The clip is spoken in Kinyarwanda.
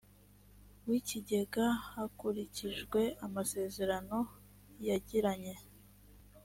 w ikigega hakurikijwe amasezerano yagiranye